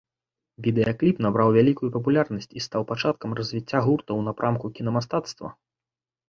Відэакліп набраў вялікую папулярнасць і стаў пачаткам развіцця гурта ў напрамку кінамастацтва.